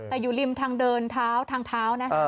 แต่อยู่ริมทางเดินเท้าทางเท้านะ